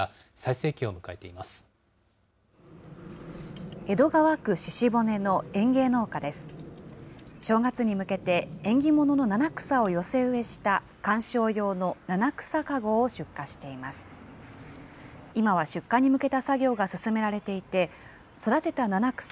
正月に向けて、縁起物の七草を寄せ植えした観賞用の七草かごを出荷しています。